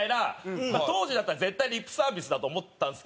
当時だったら絶対リップサービスだと思ったんですけど。